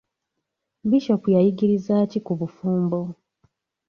Bishop yayigiriza ki ku bufumbo?